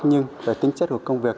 nhưng về tính chất của công việc